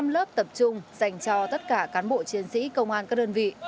năm lớp tập trung dành cho tất cả cán bộ chiến sĩ công an các đơn vị